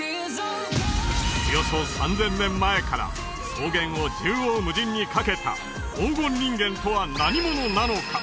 およそ３０００年前から草原を縦横無尽に駆けた黄金人間とは何者なのか？